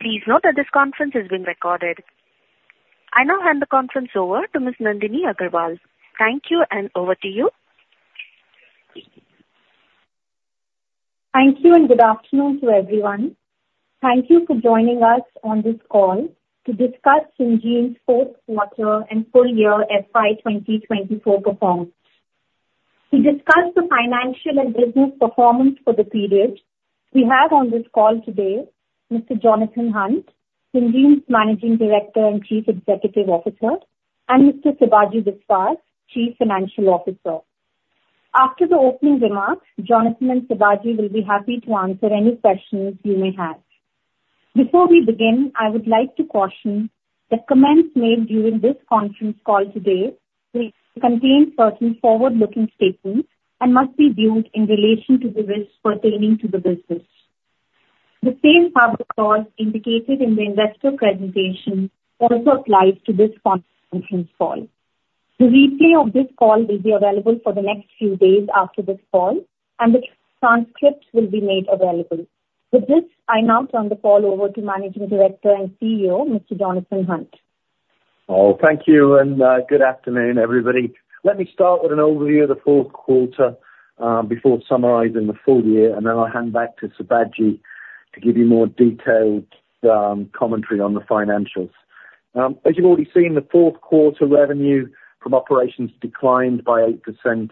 Please note that this conference is being recorded. I now hand the conference over to Ms. Nandini Agarwal. Thank you, and over to you. Thank you, and good afternoon to everyone. Thank you for joining us on this call to discuss Syngene's Q4 and full year FY 2024 performance. To discuss the financial and business performance for the period, we have on this call today Mr. Jonathan Hunt, Syngene's Managing Director and Chief Executive Officer, and Mr. Sibaji Biswas, Chief Financial Officer. After the opening remarks, Jonathan and Sibaji will be happy to answer any questions you may have. Before we begin, I would like to caution that comments made during this conference call today contain certain forward-looking statements and must be viewed in relation to the risks pertaining to the business. The same public calls indicated in the investor presentation also apply to this conference call. The replay of this call will be available for the next few days after this call, and the transcript will be made available. With this, I now turn the call over to Managing Director and CEO Mr. Jonathan Hunt. Oh, thank you, and good afternoon, everybody. Let me start with an overview of the Q4 before summarizing the full year, and then I'll hand back to Sibaji to give you more detailed commentary on the financials. As you've already seen, the Q4 revenue from operations declined by 8%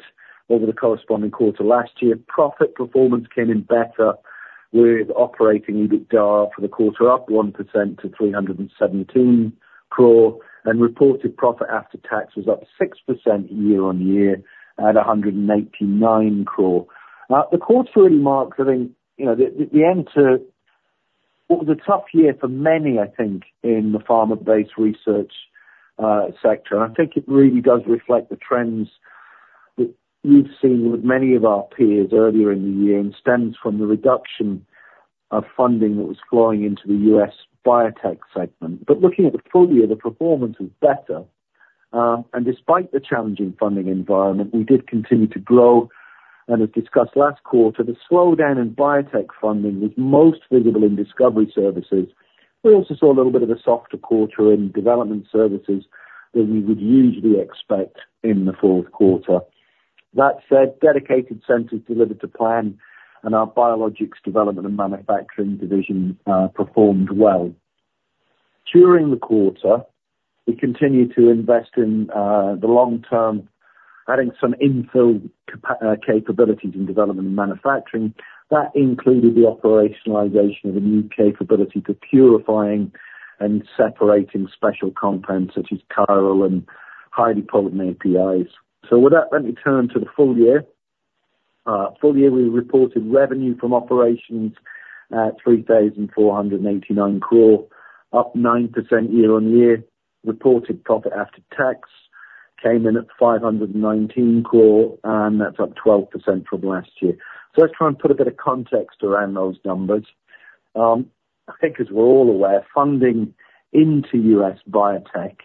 over the corresponding quarter last year. Profit performance came in better, with operating EBITDA for the quarter up 1% to 317 crore, and reported profit after tax was up 6% year-on-year at 189 crore. The quarter really marks, I think, the end to what was a tough year for many, I think, in the pharma-based research sector. I think it really does reflect the trends that we've seen with many of our peers earlier in the year and stems from the reduction of funding that was flowing into the US biotech segment. But looking at the full year, the performance was better. And despite the challenging funding environment, we did continue to grow. And as discussed last quarter, the slowdown in biotech funding was most visible in discovery services. We also saw a little bit of a softer quarter in development services than we would usually expect in the Q4. That said, dedicated centers delivered to plan, and our biologics development and manufacturing division performed well. During the quarter, we continued to invest in the long-term, adding some infill capabilities in development and manufacturing. That included the operationalization of a new capability for purifying and separating special compounds such as chiral and highly potent APIs. So with that, let me turn to the full year. Full year, we reported revenue from operations at 3,489 crore, up 9% year-on-year. Reported profit after tax came in at 519 crore, and that's up 12% from last year. So let's try and put a bit of context around those numbers. I think, as we're all aware, funding into U.S. biotech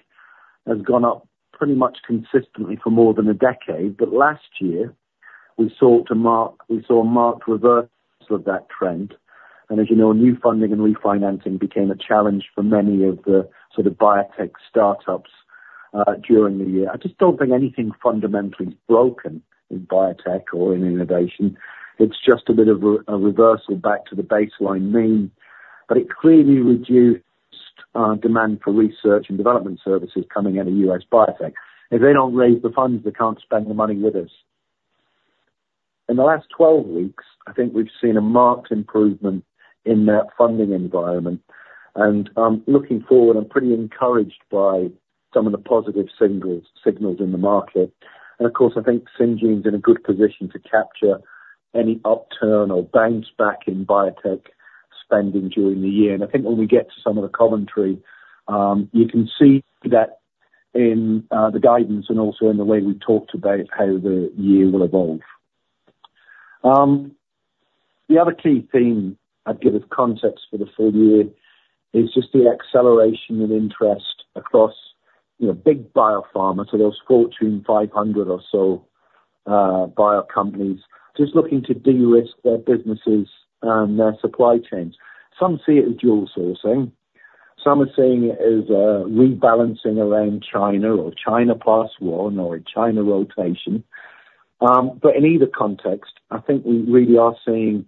has gone up pretty much consistently for more than a decade. But last year, we saw a marked reversal of that trend. And as you know, new funding and refinancing became a challenge for many of the sort of biotech startups during the year. I just don't think anything fundamentally's broken in biotech or in innovation. It's just a bit of a reversal back to the baseline mean. But it clearly reduced demand for research and development services coming out of U.S. biotech. If they don't raise the funds, they can't spend the money with us. In the last 12 weeks, I think we've seen a marked improvement in that funding environment. Looking forward, I'm pretty encouraged by some of the positive signals in the market. Of course, I think Syngene's in a good position to capture any upturn or bounce back in biotech spending during the year. I think when we get to some of the commentary, you can see that in the guidance and also in the way we talk today of how the year will evolve. The other key theme I'd give as context for the full year is just the acceleration in interest across big biopharma, so those Fortune 500 or so bio companies, just looking to de-risk their businesses and their supply chains. Some see it as dual sourcing. Some are seeing it as rebalancing around China or China plus one or a China rotation. But in either context, I think we really are seeing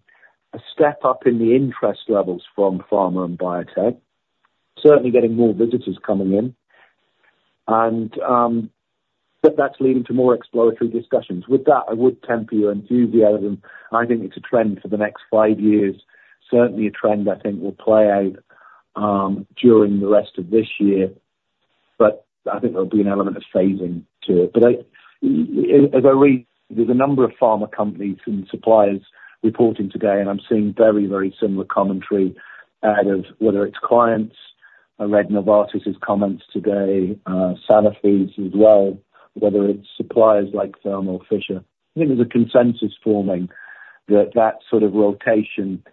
a step up in the interest levels from pharma and biotech, certainly getting more visitors coming in. But that's leading to more exploratory discussions. With that, I would temper your enthusiasm. I think it's a trend for the next five years, certainly a trend I think will play out during the rest of this year. But I think there'll be an element of phasing to it. But as I read, there's a number of pharma companies and suppliers reporting today, and I'm seeing very, very similar commentary out of whether it's clients. I read Novartis's comments today, Sanofi's as well, whether it's suppliers like Thermo Fisher. I think there's a consensus forming that that sort of rotation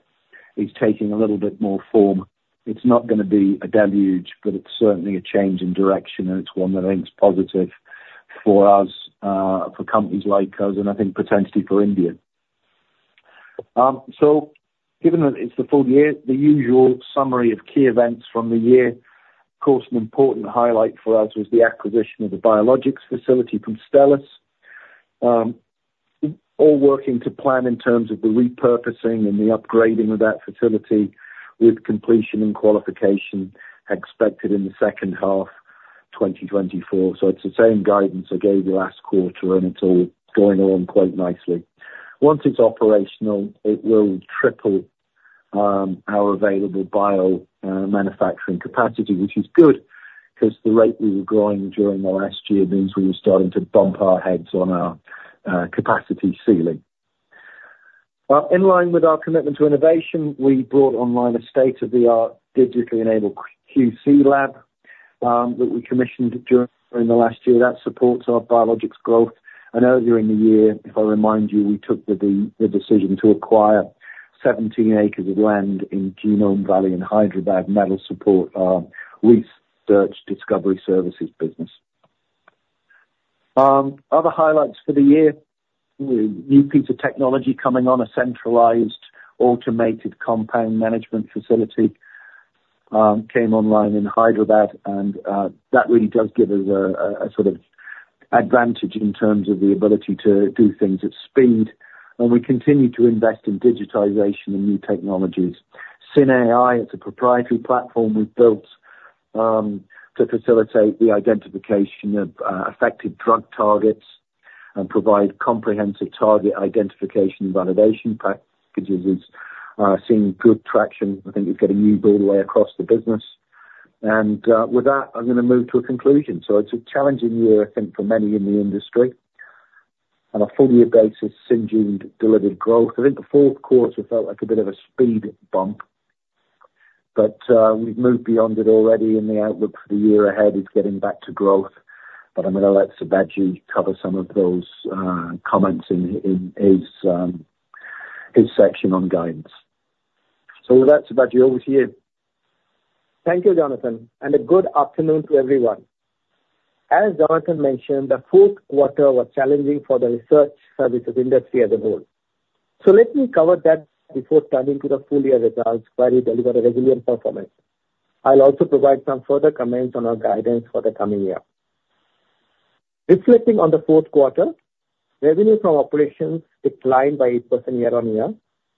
is taking a little bit more form. It's not going to be a deluge, but it's certainly a change in direction, and it's one that I think's positive for companies like us and I think potentially for India. So given that it's the full year, the usual summary of key events from the year, of course, an important highlight for us was the acquisition of a biologics facility from Stelis, all working to plan in terms of the repurposing and the upgrading of that facility with completion and qualification expected in the second half 2024. So it's the same guidance I gave you last quarter, and it's all going along quite nicely. Once it's operational, it will triple our available biomanufacturing capacity, which is good because the rate we were growing during the last year means we were starting to bump our heads on our capacity ceiling. In line with our commitment to innovation, we brought online a state-of-the-art digitally-enabled QC lab that we commissioned during the last year. That supports our biologics growth. Earlier in the year, if I remind you, we took the decision to acquire 17 acres of land in Genome Valley in Hyderabad to support our research discovery services business. Other highlights for the year, new piece of technology coming on, a centralized automated compound management facility came online in Hyderabad. That really does give us a sort of advantage in terms of the ability to do things at speed. We continue to invest in digitization and new technologies. Syn.AI, it's a proprietary platform we've built to facilitate the identification of affected drug targets and provide comprehensive target identification and validation packages. It's seen good traction. I think it's getting used all the way across the business. And with that, I'm going to move to a conclusion. So it's a challenging year, I think, for many in the industry. On a full-year basis, Syngene delivered growth. I think the Q4 felt like a bit of a speed bump, but we've moved beyond it already. And the outlook for the year ahead is getting back to growth. But I'm going to let Sibaji cover some of those comments in his section on guidance. So with that, Sibaji, over to you. Thank you, Jonathan, and a good afternoon to everyone. As Jonathan mentioned, the Q4 was challenging for the research services industry as a whole. So let me cover that before turning to the full-year results where we delivered a resilient performance. I'll also provide some further comments on our guidance for the coming year. Reflecting on the Q4, revenue from operations declined by 8% year-over-year,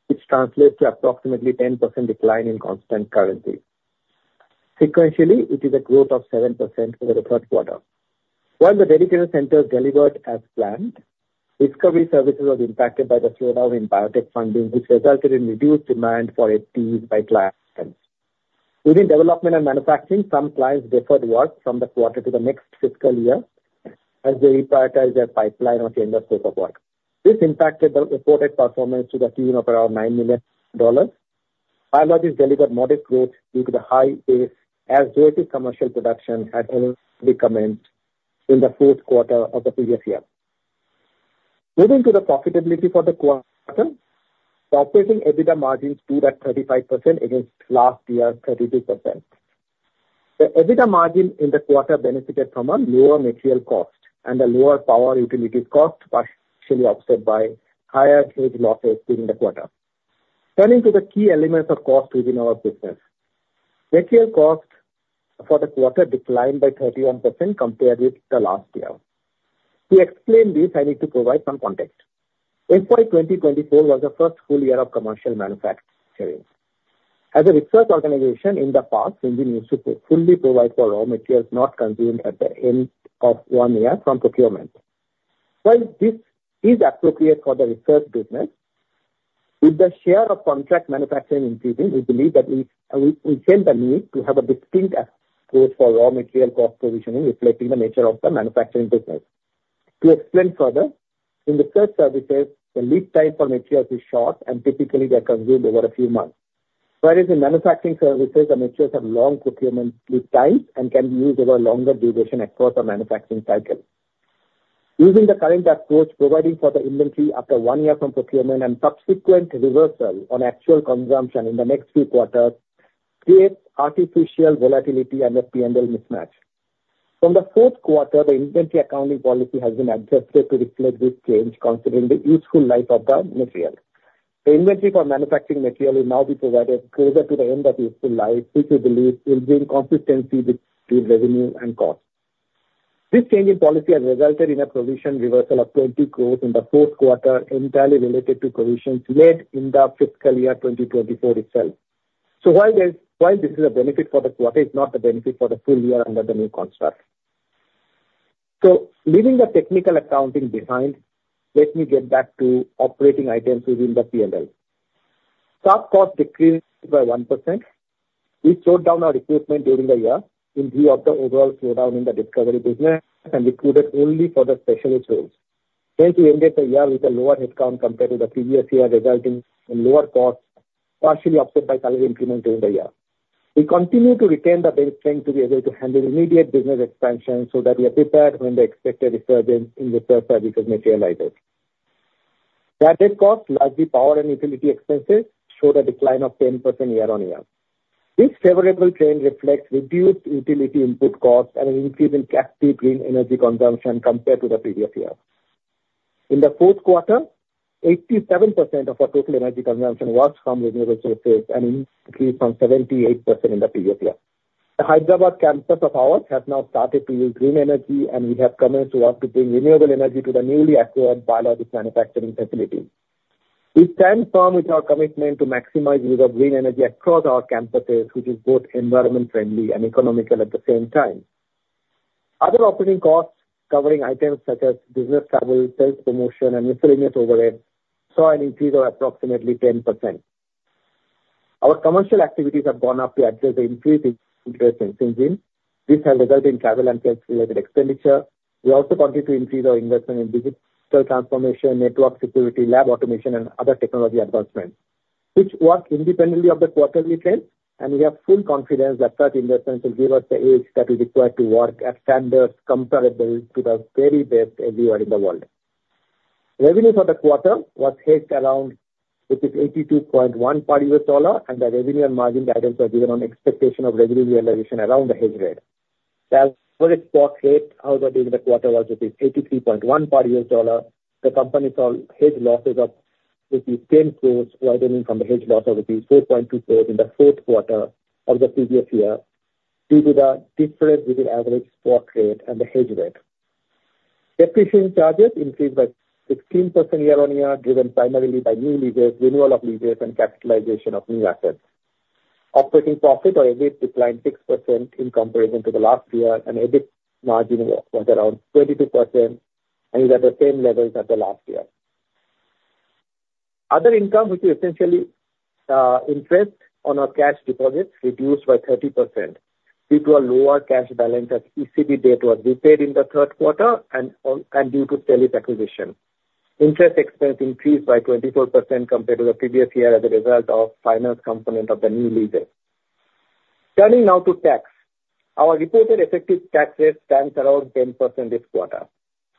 which translates to approximately 10% decline in constant currency. Sequentially, it is a growth of 7% from the Q3. While the dedicated centers delivered as planned, discovery services were impacted by the slowdown in biotech funding, which resulted in reduced demand for FTEs by clients. Within development and manufacturing, some clients deferred work from the quarter to the next fiscal year as they reprioritized their pipeline or changed scope of work. This impacted the reported performance to the tune of around $9 million. Biologics delivered modest growth due to the high base, as its commercial production had already commenced in the Q4 of the previous year. Moving to the profitability for the quarter, operating EBITDA margins grew to 35% against last year's 32%. The EBITDA margin in the quarter benefited from a lower material cost and a lower power utilities cost, partially offset by higher hedge losses during the quarter. Turning to the key elements of cost within our business, material cost for the quarter declined by 31% compared with the last year. To explain this, I need to provide some context. FY 2024 was the first full year of commercial manufacturing. As a research organization in the past, Syngene used to fully provide for raw materials not consumed at the end of one year from procurement. While this is appropriate for the research business, with the share of contract manufacturing increasing, we believe that we sense a need to have a distinct approach for raw material cost provisioning, reflecting the nature of the manufacturing business. To explain further, in research services, the lead time for materials is short, and typically, they're consumed over a few months. Whereas in manufacturing services, the materials have long procurement lead times and can be used over a longer duration across a manufacturing cycle. Using the current approach, providing for the inventory after one year from procurement and subsequent reversal on actual consumption in the next few quarters creates artificial volatility and a P&L mismatch. From the Q4, the inventory accounting policy has been adjusted to reflect this change, considering the useful life of the material. The inventory for manufacturing material will now be provided closer to the end of useful life, which we believe will bring consistency between revenue and cost. This change in policy has resulted in a provision reversal of 20 crore in the Q4, entirely related to provisions made in the fiscal year 2024 itself. So while this is a benefit for the quarter, it's not a benefit for the full year under the new construct. So leaving the technical accounting behind, let me get back to operating items within the P&L. Staff cost decreased by 1%. We slowed down our recruitment during the year in view of the overall slowdown in the discovery business and recruited only for the specialist roles. Hence, we ended the year with a lower headcount compared to the previous year, resulting in lower costs, partially offset by salary increment during the year. We continue to retain the bench strength to be able to handle immediate business expansion so that we are prepared when the expected resurgence in research services materializes. That head cost, largely power and utility expenses, showed a decline of 10% year-on-year. This favorable trend reflects reduced utility input costs and an increase in captive green energy consumption compared to the previous year. In the Q4, 87% of our total energy consumption was from renewable sources and increased from 78% in the previous year. The Hyderabad campus of ours has now started to use green energy, and we have commenced work to bring renewable energy to the newly acquired biologics manufacturing facility. We stand firm with our commitment to maximize use of green energy across our campuses, which is both environment-friendly and economical at the same time. Other operating costs covering items such as business travel, sales promotion, and miscellaneous overhead saw an increase of approximately 10%. Our commercial activities have gone up to address the increased interest in Syngene. This has resulted in travel and sales-related expenditure. We also continue to increase our investment in digital transformation, network security, lab automation, and other technology advancements, which work independently of the quarterly trend. And we have full confidence that such investments will give us the edge that we require to work at standards comparable to the very best everywhere in the world. Revenue for the quarter was hedged around which is 82.1 per US dollar, and the revenue and margin guidance were given on expectation of revenue realization around the hedge rate. As for the spot rate, however, during the quarter was 83.1 per US dollar. The company saw hedge losses of rupees 10 crore widening from the hedge loss of rupees 4.2 crore in the Q4 of the previous year due to the difference between average spot rate and the hedge rate. Depreciation charges increased by 16% year-on-year, driven primarily by new leases, renewal of leases, and capitalization of new assets. Operating profit or EBIT declined 6% in comparison to the last year, and EBIT margin was around 22% and is at the same levels as the last year. Other income, which is essentially interest on our cash deposits, reduced by 30% due to a lower cash balance as ECB debt was repaid in the Q3 and due to Stelis acquisition. Interest expense increased by 24% compared to the previous year as a result of finance component of the new leases. Turning now to tax, our reported effective tax rate stands around 10% this quarter.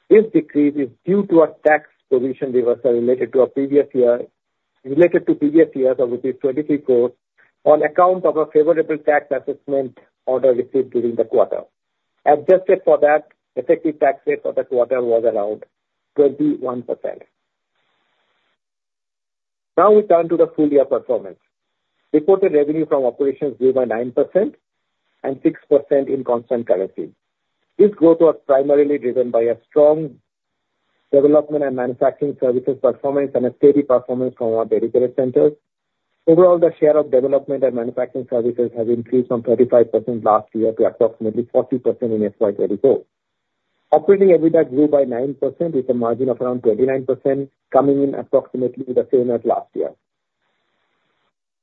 This decrease is due to a tax provision reversal related to a previous year related to previous years of rupees 23 crore on account of a favorable tax assessment order received during the quarter. Adjusted for that, effective tax rate for the quarter was around 21%. Now we turn to the full-year performance. Reported revenue from operations grew by 9% and 6% in constant currency. This growth was primarily driven by a strong development and manufacturing services performance and a steady performance from our dedicated centers. Overall, the share of development and manufacturing services has increased from 35% last year to approximately 40% in FY 2024. Operating EBITDA grew by 9% with a margin of around 29%, coming in approximately the same as last year.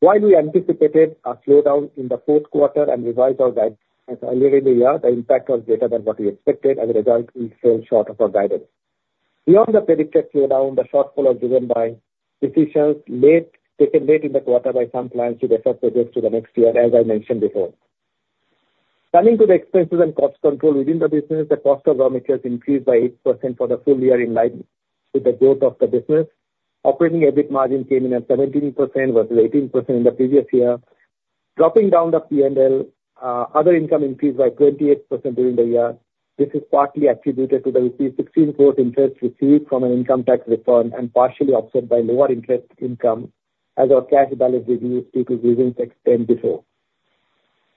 While we anticipated a slowdown in the Q4 and revised our guidance earlier in the year, the impact was greater than what we expected. As a result, we fell short of our guidance. Beyond the predicted slowdown, the shortfall was driven by decisions taken late in the quarter by some clients who defer projects to the next year, as I mentioned before. Turning to the expenses and cost control within the business, the cost of raw materials increased by 8% for the full year in line with the growth of the business. Operating EBIT margin came in at 17% versus 18% in the previous year, dropping down the P&L. Other income increased by 28% during the year. This is partly attributed to the rupees 16 crore interest received from an income tax refund and partially offset by lower interest income as our cash balance reduced due to reasons mentioned before.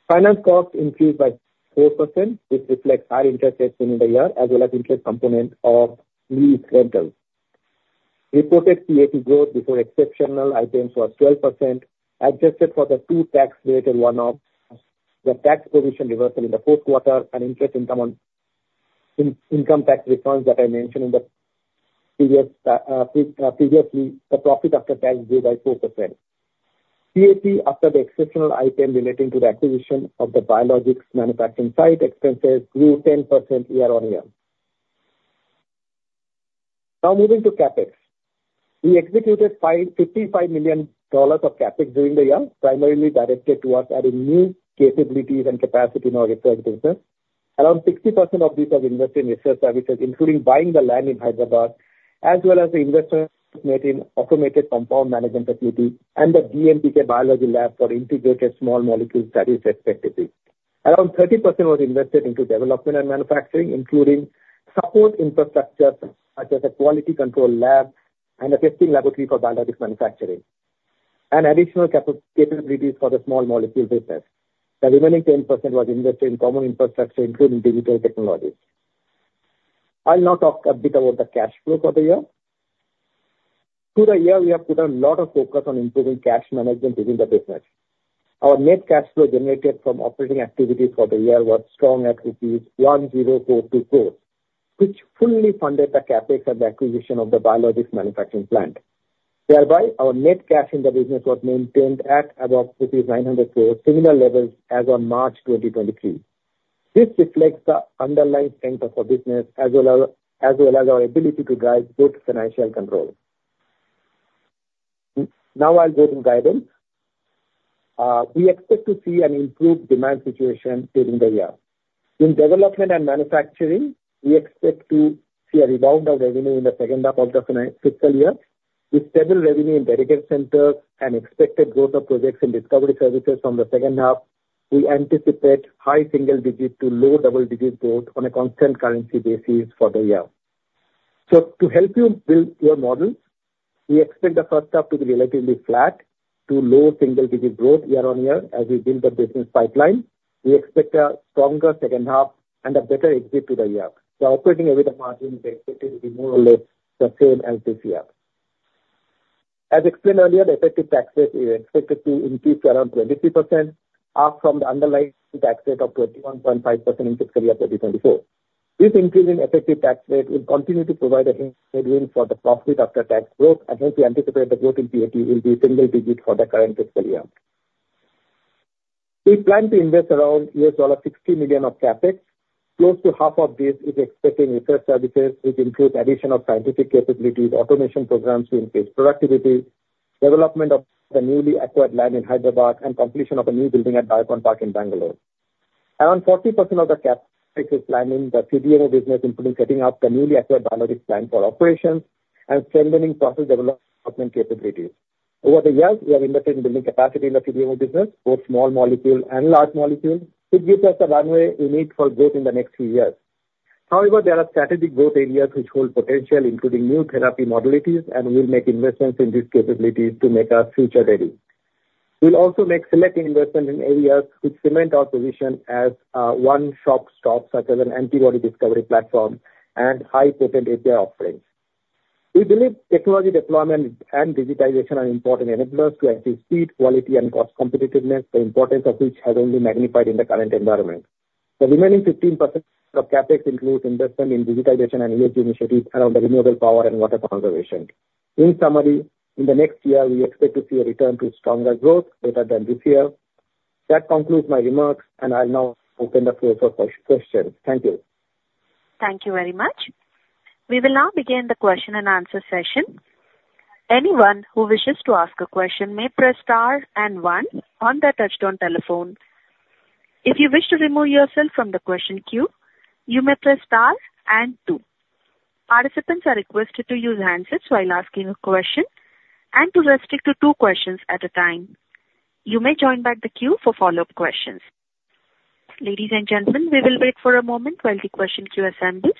Finance costs increased by 4%, which reflects higher interest rates within the year as well as interest component of lease rentals. Reported PAT growth before exceptional items was 12%. Adjusted for the two tax-related one-offs, the tax provision reversal in the Q4, and interest income tax refunds that I mentioned in the previous, the profit after tax grew by 4%. PAT after the exceptional item relating to the acquisition of the biologics manufacturing site expenses grew 10% year-on-year. Now moving to CAPEX. We executed $55 million of CAPEX during the year, primarily directed towards adding new capabilities and capacity in our research business. Around 60% of this was invested in research services, including buying the land in Hyderabad as well as the investment made in automated compound management facility and the DMPK biology lab for integrated small molecules that is expected to be. Around 30% was invested into development and manufacturing, including support infrastructure such as a quality control lab and a testing laboratory for biologics manufacturing and additional capabilities for the small molecule business. The remaining 10% was invested in common infrastructure, including digital technologies. I'll now talk a bit about the cash flow for the year. Through the year, we have put a lot of focus on improving cash management within the business. Our net cash flow generated from operating activities for the year was strong at rupees 1,042 crore, which fully funded the CapEx and the acquisition of the biologics manufacturing plant. Thereby, our net cash in the business was maintained at about 900 crores, similar levels as on March 2023. This reflects the underlying strength of our business as well as our ability to drive good financial control. Now I'll go to guidance. We expect to see an improved demand situation during the year. In development and manufacturing, we expect to see a rebound of revenue in the second half of the fiscal year. With stable revenue in dedicated centers and expected growth of projects in discovery services from the second half, we anticipate high single-digit to low double-digit growth on a constant currency basis for the year. So to help you build your models, we expect the first half to be relatively flat to low single-digit growth year-on-year as we build the business pipeline. We expect a stronger second half and a better exit to the year. The operating EBITDA margin is expected to be more or less the same as this year. As explained earlier, the effective tax rate is expected to increase to around 23%, up from the underlying tax rate of 21.5% in fiscal year 2024. This increase in effective tax rate will continue to provide a headwind for the profit after tax growth, and hence, we anticipate the growth in PAT will be single-digit for the current fiscal year. We plan to invest around $60 million of CapEx. Close to half of this is expecting research services, which includes addition of scientific capabilities, automation programs to increase productivity, development of the newly acquired land in Hyderabad, and completion of a new building at Biocon Park in Bangalore. Around 40% of the CapEx is planning the CDMO business, including setting up the newly acquired biologics plant for operations and strengthening process development capabilities. Over the years, we have invested in building capacity in the CDMO business, both small molecule and large molecule, which gives us the runway we need for growth in the next few years. However, there are strategic growth areas which hold potential, including new therapy modalities, and we'll make investments in these capabilities to make our future ready. We'll also make select investments in areas which cement our position as one-stop shops such as an antibody discovery platform and high-potent API offerings. We believe technology deployment and digitization are important enablers to achieve speed, quality, and cost competitiveness, the importance of which has only magnified in the current environment. The remaining 15% of CAPEX includes investment in digitization and ESG initiatives around renewable power and water conservation. In summary, in the next year, we expect to see a return to stronger growth better than this year. That concludes my remarks, and I'll now open the floor for questions. Thank you. Thank you very much. We will now begin the question and answer session. Anyone who wishes to ask a question may press star and one on the touch-tone telephone. If you wish to remove yourself from the question queue, you may press star and two. Participants are requested to use handsets while asking a question and to restrict to two questions at a time. You may join back the queue for follow-up questions. Ladies and gentlemen, we will wait for a moment while the question queue assembles.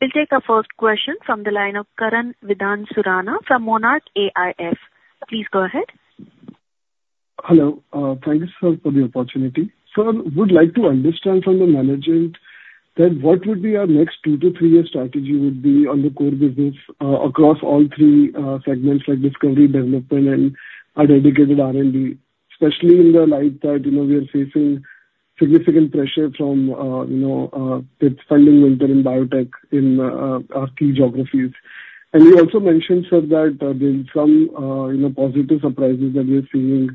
We'll take our first question from the line of Karan Vidhan Surana from Monarch AIF. Please go ahead. Hello. Thank you, sir, for the opportunity. Sir, I would like to understand from the management that what would be our next 2-3-year strategy would be on the core business across all 3 segments like discovery, development, and our dedicated R&D, especially in the light that we are facing significant pressure from the funding winter in biotech in our key geographies. And you also mentioned, sir, that there's some positive surprises that we are seeing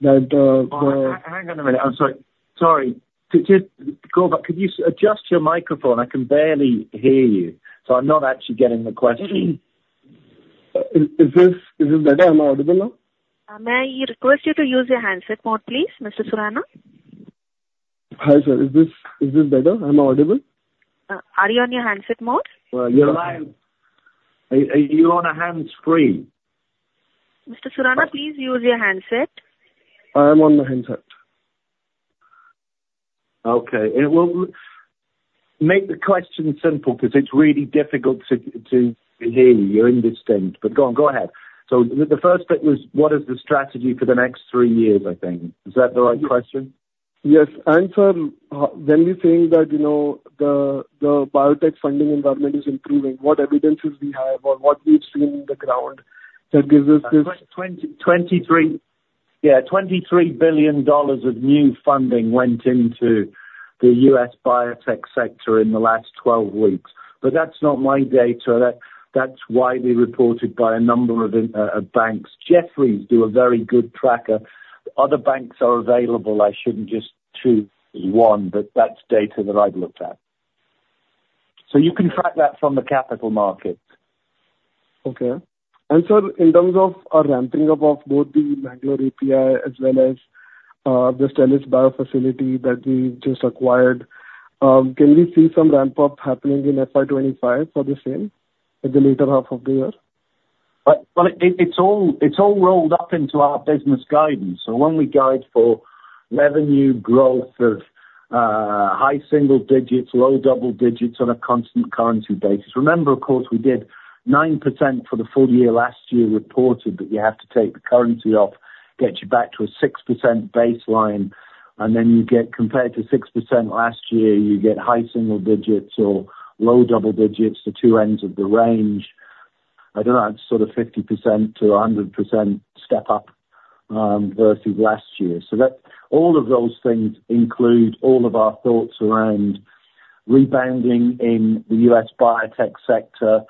that the. Hang on a minute. I'm sorry. Sorry. To just go back, could you adjust your microphone? I can barely hear you, so I'm not actually getting the question. Is this better? Am I audible now? May I request you to use your handset mode, please, Mr. Surana? Hi, sir. Is this better? Am I audible? Are you on your handset mode? You're on a hands-free. Mr. Surana, please use your handset. I am on the handset. Okay. It will make the question simple because it's really difficult to hear you. You're indistinct. But go on. Go ahead. So the first bit was, what is the strategy for the next three years, I think? Is that the right question? Yes. And, sir, when you're saying that the biotech funding environment is improving, what evidence do we have or what do we see on the ground that gives us this? Yeah. $23 billion of new funding went into the US biotech sector in the last 12 weeks. But that's not my data. That's widely reported by a number of banks. Jefferies do a very good tracker. Other banks are available, I shouldn't just choose one, but that's data that I've looked at. So you can track that from the capital markets. Okay. Sir, in terms of a ramping up of both the Bangalore API as well as the Stelis Biopharma facility that we just acquired, can we see some ramp-up happening in FY 2025 for the same in the later half of the year? Well, it's all rolled up into our business guidance. So when we guide for revenue growth of high single-digits, low double-digits on a constant currency basis, remember, of course, we did 9% for the full year last year, reported that you have to take the currency off, get you back to a 6% baseline, and then compared to 6% last year, you get high single-digits or low double-digits, the two ends of the range. I don't know. It's sort of 50%-100% step up versus last year. So all of those things include all of our thoughts around rebounding in the U.S. biotech sector,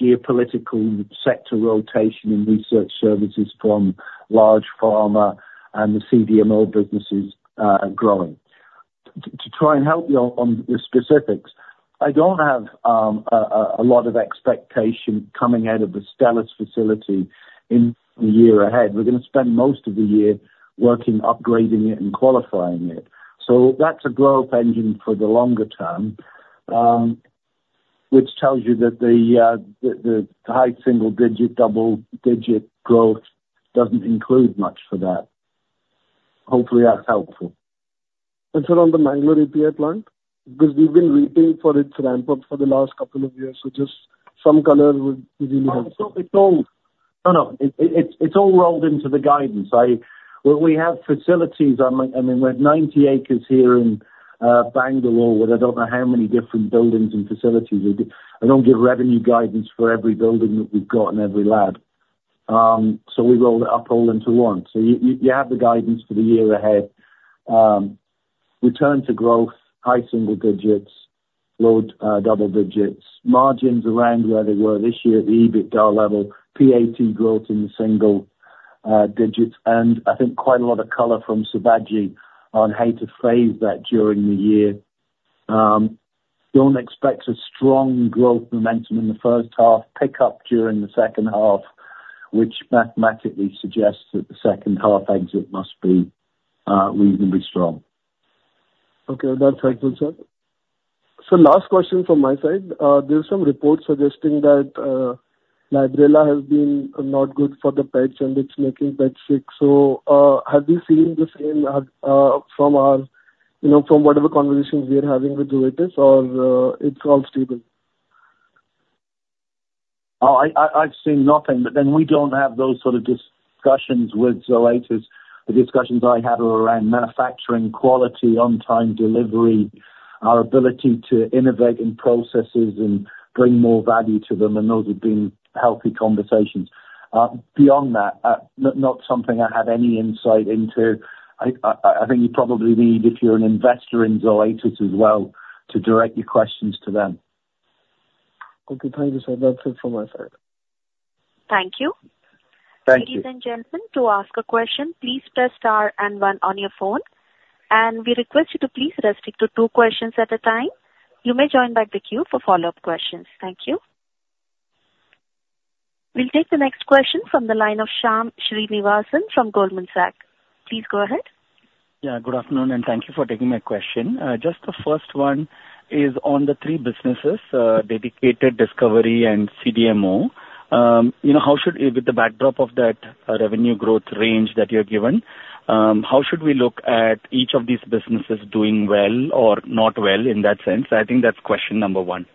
geopolitical sector rotation in research services from large pharma and the CDMO businesses growing. To try and help you on the specifics, I don't have a lot of expectation coming out of the Stelis facility in the year ahead. We're going to spend most of the year working, upgrading it, and qualifying it. So that's a growth engine for the longer term, which tells you that the high single-digit, double-digit growth doesn't include much for that. Hopefully, that's helpful. And, sir, on the Bangalore API plan? Because we've been waiting for its ramp-up for the last couple of years, so just some color would really help. No, no. It's all rolled into the guidance. We have facilities. I mean, we have 90 acres here in Bangalore where I don't know how many different buildings and facilities we do. I don't give revenue guidance for every building that we've got and every lab. So we roll it up all into one. So you have the guidance for the year ahead, return to growth, high single-digits, low double-digits, margins around where they were this year, the EBITDA level, PAT growth in the single digits, and I think quite a lot of color from Sibaji on how to phase that during the year. Don't expect a strong growth momentum in the first half, pickup during the second half, which mathematically suggests that the second-half exit must be reasonably strong. Okay. That's helpful, sir. So last question from my side. There's some reports suggesting that Librela has been not good for the batch, and it's making pets sick. So, have you seen the same from whatever conversations we are having with Zoetis, or it's all stable? I've seen nothing. But then we don't have those sort of discussions with Zoetis. The discussions I had are around manufacturing quality, on-time delivery, our ability to innovate in processes and bring more value to them. And those have been healthy conversations. Beyond that, not something I have any insight into. I think you probably need, if you're an investor in Zoetis as well, to direct your questions to them. Okay. Thank you, sir. That's it from my side. Thank you. Thank you. Ladies and gentlemen, to ask a question, please press star and one on your phone. And we request you to please restrict to two questions at a time. You may join back the queue for follow-up questions. Thank you. We'll take the next question from the line of Shyam Srinivasan from Goldman Sachs. Please go ahead. Yeah. Good afternoon, and thank you for taking my question. Just the first one is on the three businesses, dedicated discovery and CDMO. With the backdrop of that revenue growth range that you're given, how should we look at each of these businesses doing well or not well in that sense? I think that's question number one.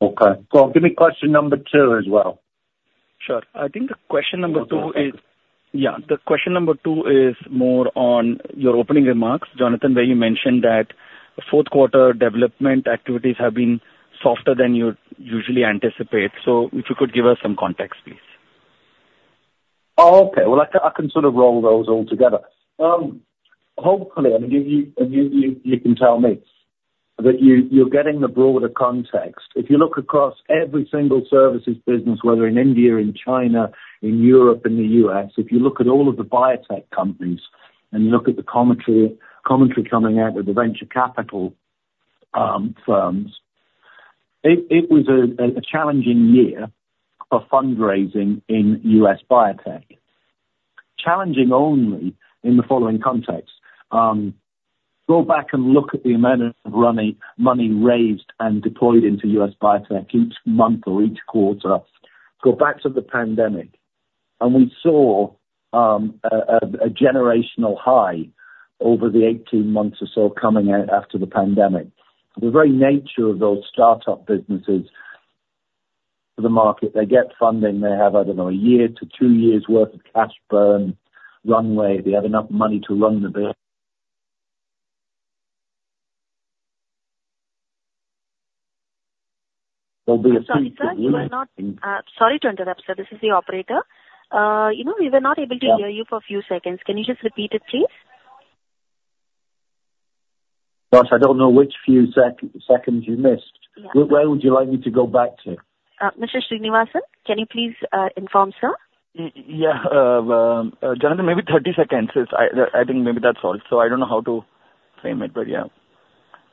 Okay. So give me question number two as well. Sure. I think the question number two is. Yeah. The question number two is more on your opening remarks, Jonathan, where you mentioned that fourth-quarter development activities have been softer than you usually anticipate. So if you could give us some context, please. Okay. Well, I can sort of roll those all together. Hopefully, I mean, you can tell me that you're getting the broader context. If you look across every single services business, whether in India, in China, in Europe, in the U.S., if you look at all of the biotech companies and you look at the commentary coming out of the venture capital firms, it was a challenging year for fundraising in U.S. biotech. Challenging only in the following context. Go back and look at the amount of money raised and deployed into U.S. biotech each month or each quarter. Go back to the pandemic, and we saw a generational high over the 18 months or so coming out after the pandemic. The very nature of those startup businesses for the market, they get funding. They have, I don't know, a year to two years' worth of cash burn runway. They have enough money to run the business. There'll be a few seconds. Sorry to interrupt, sir. This is the operator. We were not able to hear you for a few seconds. Can you just repeat it, please? Gosh, I don't know which few seconds you missed. Where would you like me to go back to? Mr. Srinivasan, can you please inform, sir? Yeah. Jonathan, maybe 30 seconds. I think maybe that's all. So I don't know how to frame it, but yeah.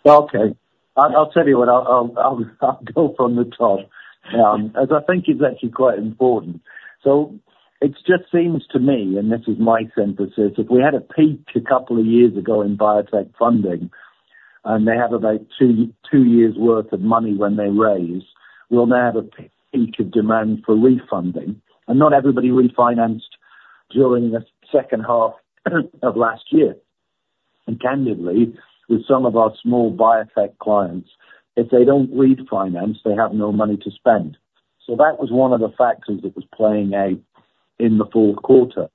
Okay. I'll tell you what. I'll go from the top as I think is actually quite important. So it just seems to me, and this is my synthesis, if we had a peak a couple of years ago in biotech funding, and they have about two years' worth of money when they raise, we'll now have a peak of demand for refunding. And not everybody refinanced during the second half of last year. Candidly, with some of our small biotech clients, if they don't refinance, they have no money to spend. That was one of the factors that was playing out in the Q4.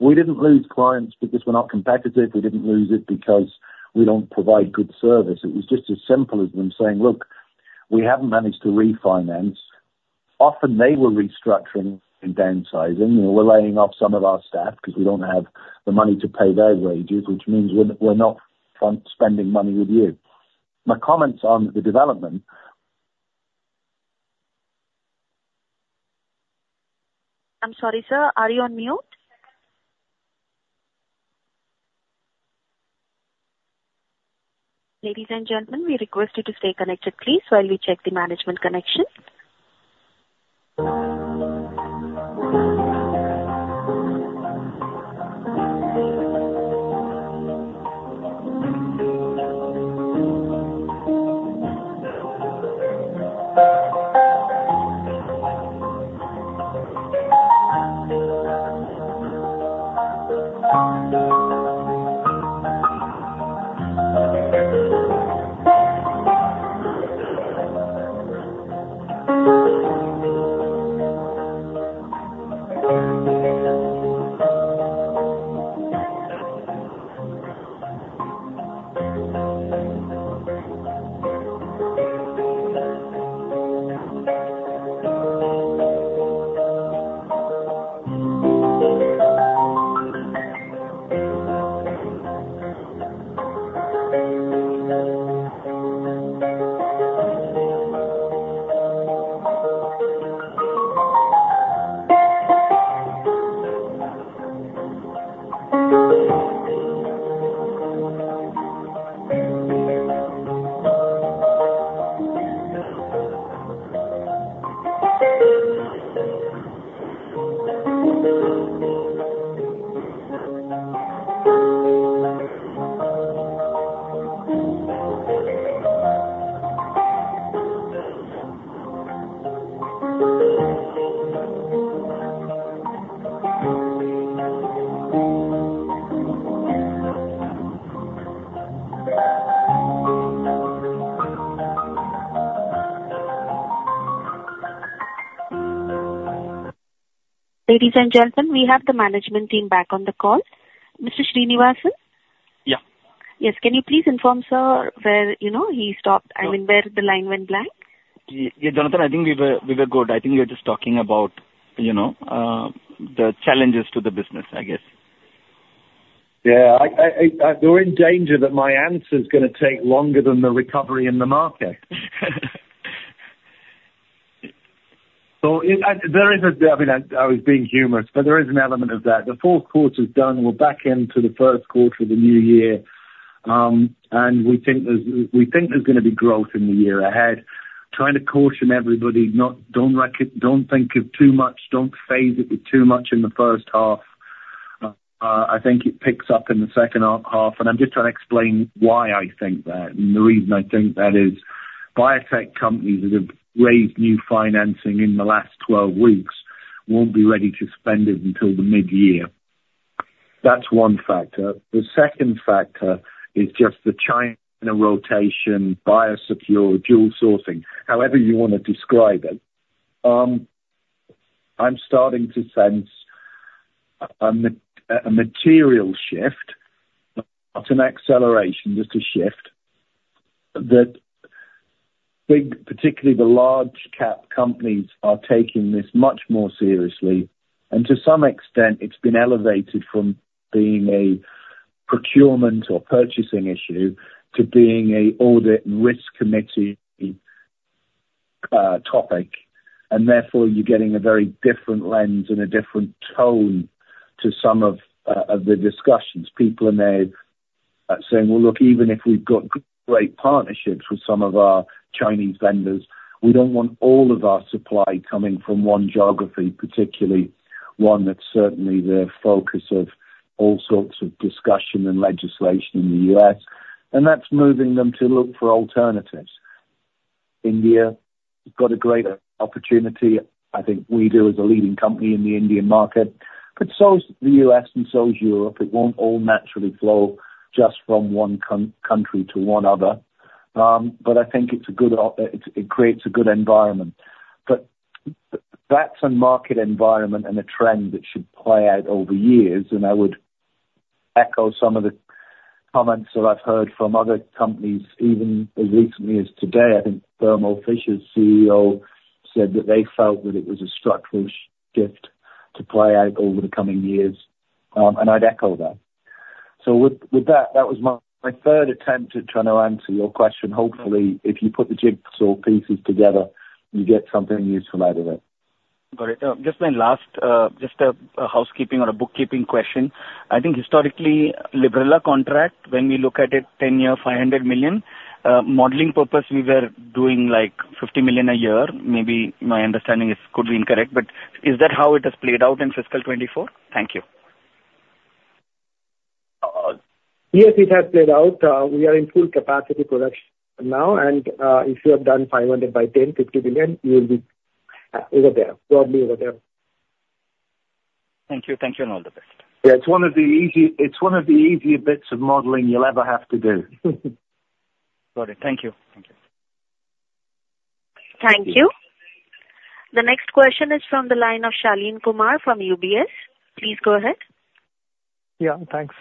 We didn't lose clients because we're not competitive. We didn't lose it because we don't provide good service. It was just as simple as them saying, "Look, we haven't managed to refinance." Often, they were restructuring and downsizing. We're laying off some of our staff because we don't have the money to pay their wages, which means we're not spending money with you. My comments on the development. I'm sorry, sir. Are you on mute? Ladies and gentlemen, we request you to stay connected, please, while we check the management connection. Ladies and gentlemen, we have the management team back on the call. Mr. Srinivasan? Yeah. Yes. Can you please inform, sir, where he stopped? I mean, where the line went blank? Yeah. Jonathan, I think we were good. I think we were just talking about the challenges to the business, I guess. Yeah. They're in danger that my answer's going to take longer than the recovery in the market. So there is a, I mean, I was being humorous, but there is an element of that. The Q4's done. We're back into the Q1 of the new year, and we think there's going to be growth in the year ahead. Trying to caution everybody, "Don't think of too much. Don't phase it with too much in the first half." I think it picks up in the second half. And I'm just trying to explain why I think that. The reason I think that is biotech companies that have raised new financing in the last 12 weeks won't be ready to spend it until the mid-year. That's one factor. The second factor is just the China rotation, Biosecure, dual sourcing, however you want to describe it. I'm starting to sense a material shift, not an acceleration, just a shift that particularly the large-cap companies are taking this much more seriously. And to some extent, it's been elevated from being a procurement or purchasing issue to being an audit and risk committee topic. And therefore, you're getting a very different lens and a different tone to some of the discussions. People in there saying, "Well, look, even if we've got great partnerships with some of our Chinese vendors, we don't want all of our supply coming from one geography, particularly one that's certainly the focus of all sorts of discussion and legislation in the U.S." And that's moving them to look for alternatives. India's got a great opportunity. I think we do as a leading company in the Indian market. But so has the U.S. and so has Europe. It won't all naturally flow just from one country to one other. But I think it creates a good environment. But that's a market environment and a trend that should play out over years. And I would echo some of the comments that I've heard from other companies even as recently as today. I think Thermo Fisher's CEO said that they felt that it was a structural shift to play out over the coming years. I'd echo that. So with that, that was my third attempt at trying to answer your question. Hopefully, if you put the jigsaw pieces together, you get something useful out of it. Got it. Just my last, just a housekeeping or a bookkeeping question. I think historically, Librela contract, when we look at it, 10-year, $500 million. Modeling purpose, we were doing $50 million a year. Maybe my understanding could be incorrect, but is that how it has played out in fiscal 2024? Thank you. Yes, it has played out. We are in full capacity production now. And if you have done 500 by 10, $50 billion, you will be over there, broadly over there. Thank you. Thank you, and all the best. Yeah. It's one of the easier bits of modeling you'll ever have to do. Got it. Thank you. Thank you. Thank you. The next question is from the line of Shaleen Kumar from UBS. Please go ahead. Yeah. Thanks.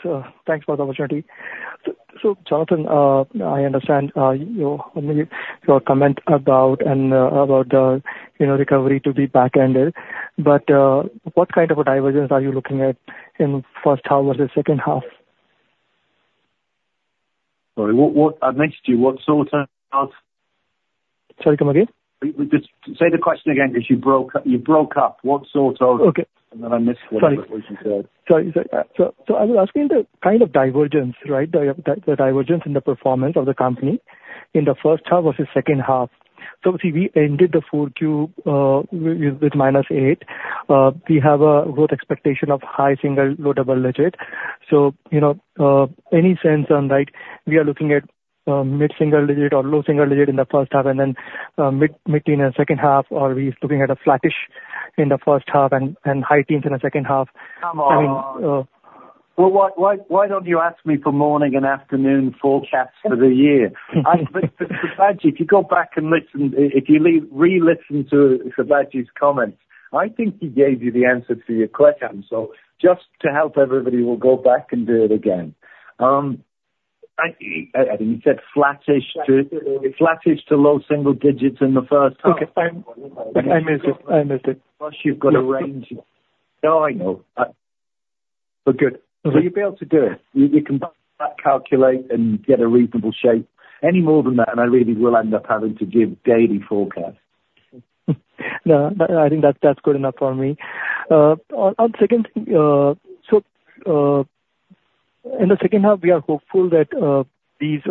Thanks for the opportunity. So Jonathan, I understand your comment about the recovery to be backended. But what kind of a divergence are you looking at in first half versus second half? Sorry. I missed you. What sort of? Sorry. Come again? Just say the question again because you broke up. What sort of? And then I missed what you said. Sorry. Sorry. Sorry. So I was asking the kind of divergence, right, the divergence in the performance of the company in the first half versus second half. So see, we ended the fourth Q with -8. We have a growth expectation of high single, low double-digit. So any sense on, right, we are looking at mid-single digit or low single digit in the first half, and then mid-teens in the second half, or we're looking at flattish in the first half and high teens in the second half? I mean. Come on. Well, why don't you ask me for morning and afternoon forecasts for the year? But Sibaji, if you go back and listen, if you re-listen to Sibaji's comments, I think he gave you the answer to your question. So just to help everybody, we'll go back and do it again. I think you said flattish to low single digits in the first half. Okay. I missed it. I missed it. Plus, you've got a range. No, I know. But good. So you'll be able to do it. You can back calculate and get a reasonable shape. Any more than that, and I really will end up having to give daily forecasts. No, I think that's good enough for me. Second thing, so in the second half, we are hopeful that this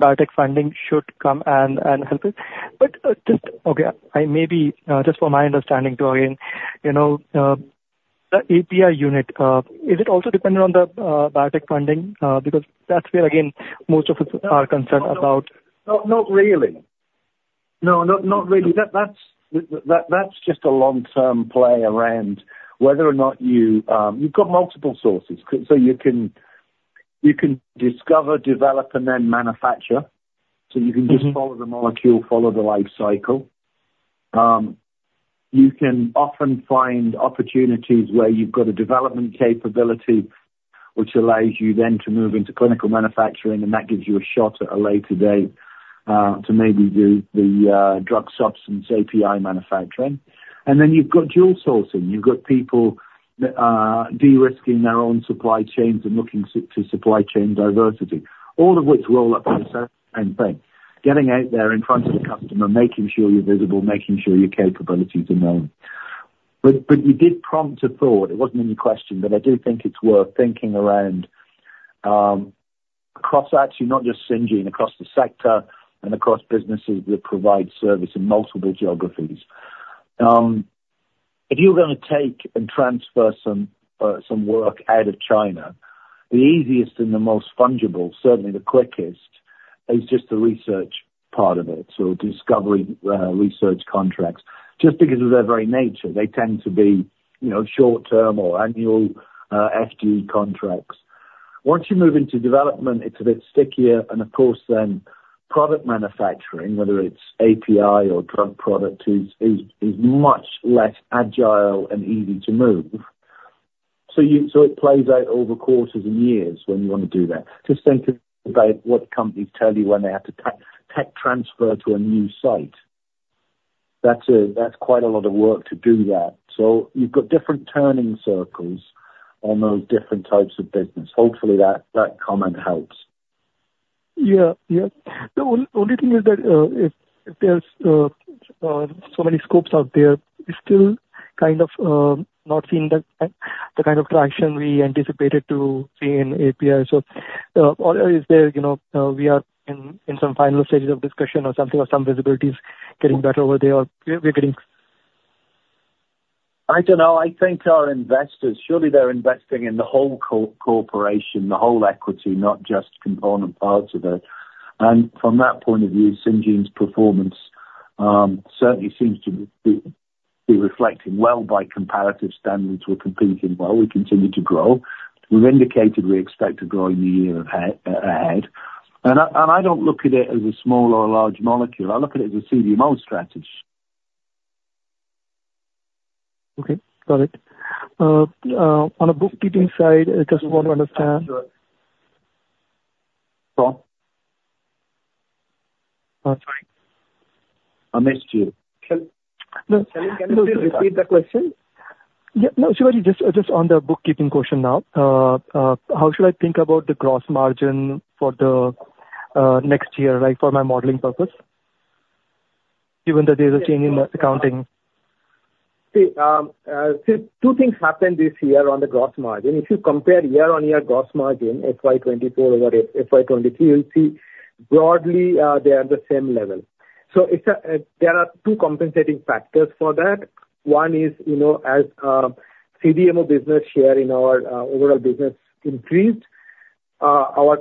biotech funding should come and help it. But just, okay, maybe just for my understanding too, again, the API unit, is it also dependent on the biotech funding? Because that's where, again, most of us are concerned about. No, not really. No, not really. That's just a long-term play around whether or not you you've got multiple sources. So you can discover, develop, and then manufacture. So you can just follow the molecule, follow the life cycle. You can often find opportunities where you've got a development capability which allows you then to move into clinical manufacturing, and that gives you a shot at a later date to maybe do the drug substance API manufacturing. And then you've got dual sourcing. You've got people de-risking their own supply chains and looking to supply chain diversity, all of which roll up to the same thing: getting out there in front of the customer, making sure you're visible, making sure your capabilities are known. But you did prompt a thought. It wasn't any question, but I do think it's worth thinking around across actually not just Syngene, across the sector, and across businesses that provide service in multiple geographies. If you're going to take and transfer some work out of China, the easiest and the most fungible, certainly the quickest, is just the research part of it, so discovery research contracts, just because of their very nature. They tend to be short-term or annual FTE contracts. Once you move into development, it's a bit stickier. And of course, then product manufacturing, whether it's API or drug product, is much less agile and easy to move. So it plays out over quarters and years when you want to do that. Just think about what companies tell you when they have to tech transfer to a new site. That's quite a lot of work to do that. So you've got different turning circles on those different types of business. Hopefully, that comment helps. Yeah. Yeah. The only thing is that if there's so many scopes out there, it's still kind of not seeing the kind of traction we anticipated to see in API. So is there we are in some final stages of discussion or something or some visibilities getting better over there, or we're getting. I don't know. I think our investors, surely they're investing in the whole corporation, the whole equity, not just component parts of it. And from that point of view, Syngene's performance certainly seems to be reflecting well by comparative standards. We're competing well. We continue to grow. We've indicated we expect to grow in the year ahead. And I don't look at it as a small or a large molecule. I look at it as a CDMO strategy. Okay. Got it. On the bookkeeping side, I just want to understand. Go on. Sorry. I missed you. No. Can you please repeat the question? Yeah. No, sorry. Just on the bookkeeping question now, how should I think about the gross margin for the next year, right, for my modeling purpose, given that there's a change in accounting? See, two things happened this year on the gross margin. If you compare year-on-year gross margin, FY2024 over FY2023, you'll see broadly, they're at the same level. So there are two compensating factors for that. One is as CDMO business share in our overall business increased, our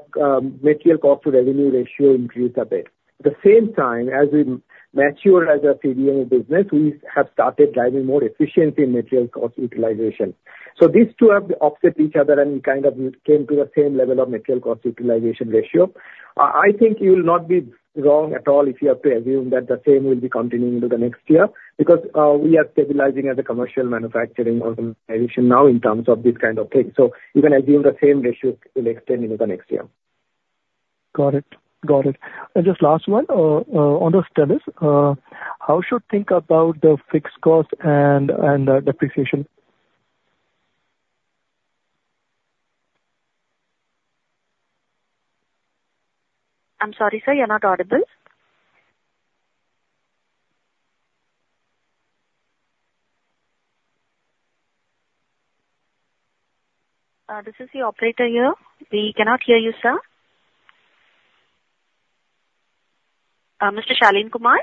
material cost-to-revenue ratio increased a bit. At the same time, as we mature as a CDMO business, we have started driving more efficiency in material cost utilization. So these two have offset each other and kind of came to the same level of material cost utilization ratio. I think you will not be wrong at all if you have to assume that the same will be continuing into the next year because we are stabilizing as a commercial manufacturing organization now in terms of this kind of thing. So you can assume the same ratio will extend into the next year. Got it. Got it. And just last one, on the status, how should I think about the fixed cost and depreciation? I'm sorry, sir. You're not audible. This is the operator here. We cannot hear you, sir. Mr. Shaleen Kumar?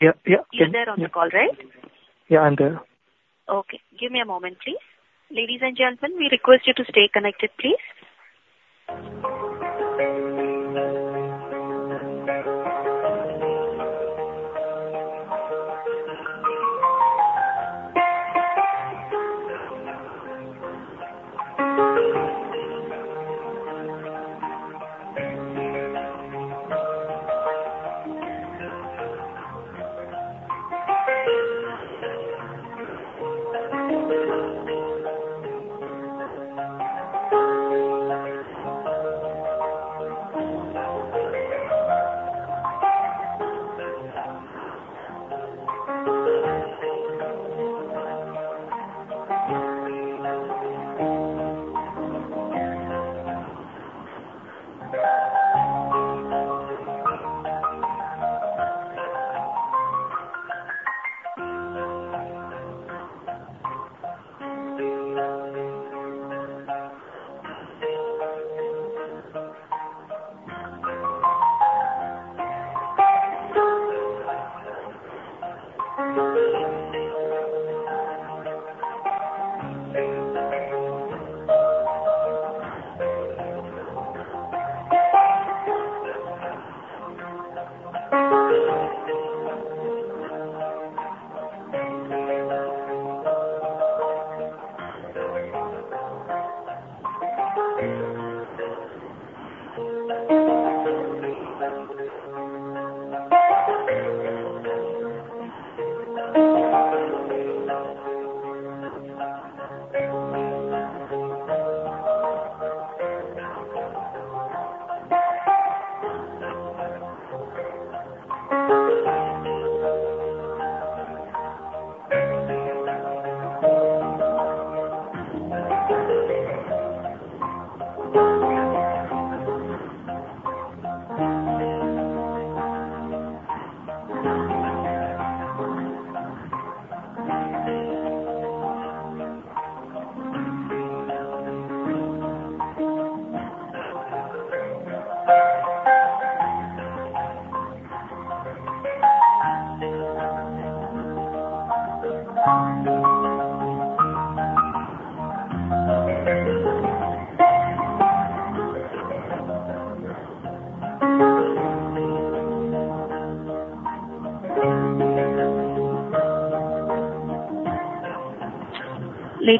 Yeah. Yeah. You're there on the call, right? Yeah. I'm there. Okay. Give me a moment, please. Ladies and gentlemen, we request you to stay connected, please.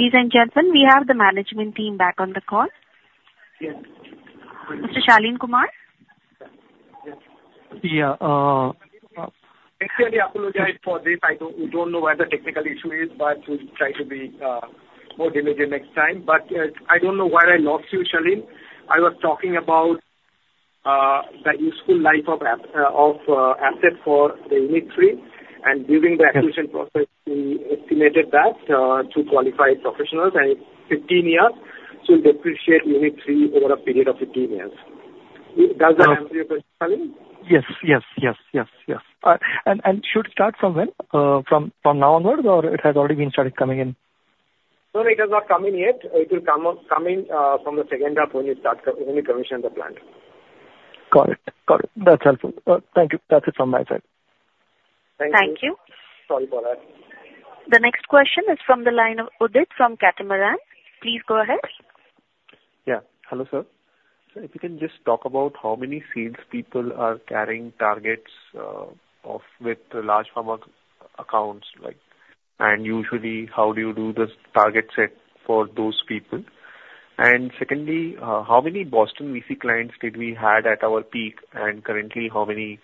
Ladies and gentlemen, we have the management team back on the call. Yes. Mr. Shaleen Kumar? Yeah. Actually, apologize for this. I don't know where the technical issue is, but we'll try to be more diligent next time. I don't know where I lost you, Shaleen. I was talking about the useful life of assets for Unit 3. During the acquisition process, we estimated that to qualify professionals, and it's 15 years. So you'll depreciate Unit 3 over a period of 15 years. Does that answer your question, Shaleen? Yes. Yes. Yes. Yes. Yes. Should we start from when? From now onwards, or it has already been started coming in? No, no. It has not come in yet. It will come in from the second half when you commission the plant. Got it. Got it. That's helpful. Thank you. That's it from my side. Thank you. Thank you. Sorry for that. The next question is from the line of Udit from Catamaran. Please go ahead. Yeah. Hello, sir. So if you can just talk about how many sales people are carrying targets with large pharma accounts, and usually, how do you do the target setting for those people? And secondly, how many Boston VC clients did we have at our peak, and currently, how many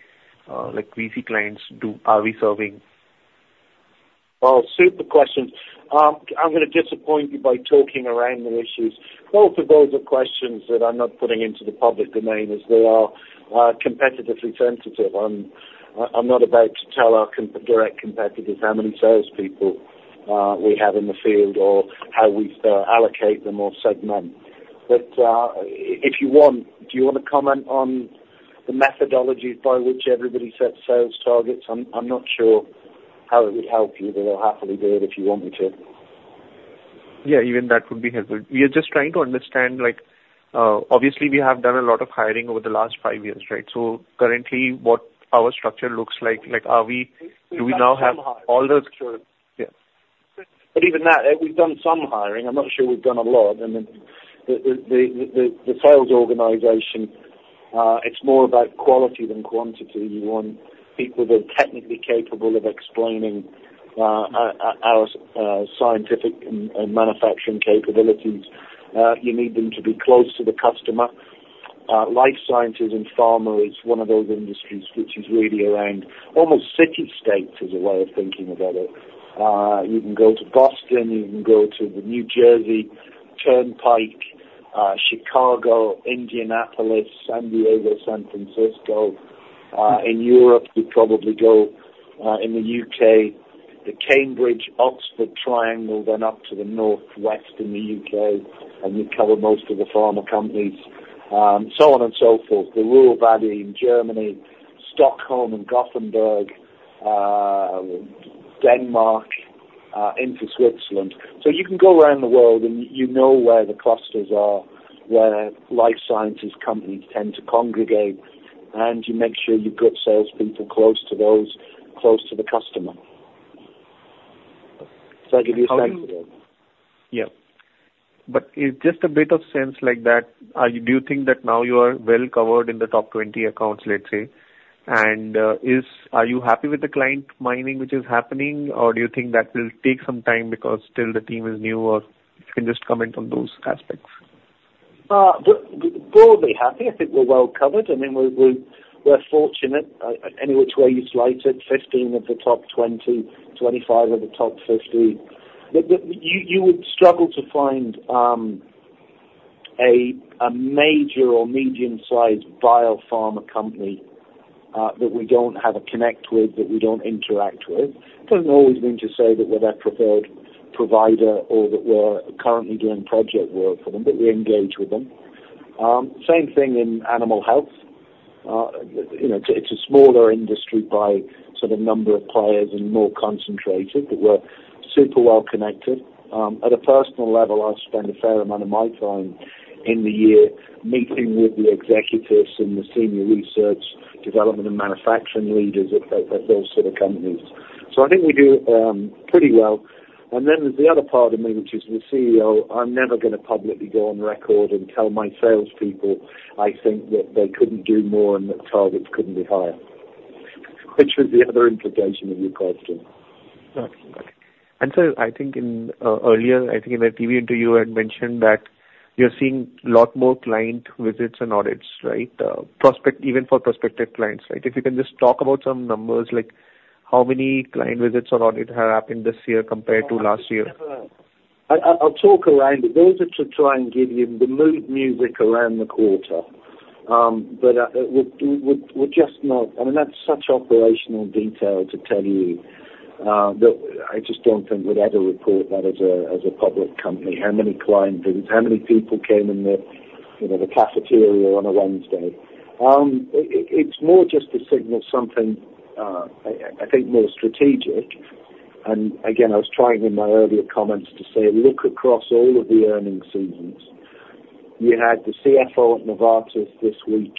VC clients are we serving? Oh, sweet question. I'm going to disappoint you by talking around the issues. Both of those are questions that I'm not putting into the public domain as they are competitively sensitive. I'm not about to tell our direct competitors how many salespeople we have in the field or how we allocate them or segment. But if you want, do you want to comment on the methodology by which everybody sets sales targets? I'm not sure how it would help you, but I'll happily do it if you want me to. Yeah. Even that could be helpful. We are just trying to understand obviously, we have done a lot of hiring over the last five years, right? So currently, what our structure looks like, do we now have all those? Yeah. But even that, we've done some hiring. I'm not sure we've done a lot. I mean, the sales organization, it's more about quality than quantity. You want people that are technically capable of explaining our scientific and manufacturing capabilities. You need them to be close to the customer. Life sciences and pharma is one of those industries which is really around almost city-states is a way of thinking about it. You can go to Boston. You can go to New Jersey Turnpike, Chicago, Indianapolis, San Diego, San Francisco. In Europe, you'd probably go in the U.K., the Cambridge, Oxford triangle, then up to the northwest in the U.K., and you'd cover most of the pharma companies, so on and so forth: the Ruhr Valley in Germany, Stockholm and Gothenburg, Denmark into Switzerland. So you can go around the world, and you know where the clusters are, where life sciences companies tend to congregate, and you make sure you've got salespeople close to those, close to the customer. Does that give you a sense of it? Yeah. But is just a bit of sense like that, do you think that now you are well covered in the top 20 accounts, let's say? And are you happy with the client mining which is happening, or do you think that will take some time because still the team is new, or you can just comment on those aspects? Broadly, happy. I think we're well covered. I mean, we're fortunate any which way you slice it: 15 of the top 20, 25 of the top 50. You would struggle to find a major or medium-sized bio-pharma company that we don't have a connect with, that we don't interact with. It doesn't always mean to say that we're their preferred provider or that we're currently doing project work for them, but we engage with them. Same thing in animal health. It's a smaller industry by sort of number of players and more concentrated, but we're super well connected. At a personal level, I spend a fair amount of my time in the year meeting with the executives and the senior research, development, and manufacturing leaders at those sort of companies. So I think we do pretty well. And then there's the other part of me which is the CEO. I'm never going to publicly go on record and tell my salespeople I think that they couldn't do more and that targets couldn't be higher, which was the other implication of your question. Okay. Okay. And so I think earlier, I think in a TV interview, I had mentioned that you're seeing a lot more client visits and audits, right, even for prospective clients, right? If you can just talk about some numbers, like how many client visits or audits have happened this year compared to last year? I'll talk around it. Those are to try and give you the mood music around the quarter. But we're just not I mean, that's such operational detail to tell you that I just don't think we'd ever report that as a public company: how many client visits, how many people came in the cafeteria on a Wednesday. It's more just to signal something, I think, more strategic. And again, I was trying in my earlier comments to say, "Look across all of the earnings seasons." You had the CFO at Novartis this week